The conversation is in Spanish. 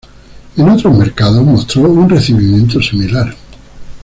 En otros mercados mostró un recibimiento similar.